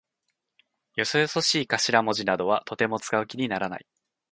よそよそしい頭文字などはとても使う気にならない。